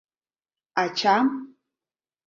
Ачам?